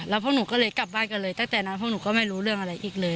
แล้วพวกหนูก็เลยกลับบ้านกันเลยตั้งแต่นั้นพวกหนูก็ไม่รู้เรื่องอะไรอีกเลย